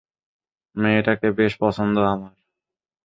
মেয়েটাকে বেশ পছন্দ আমার।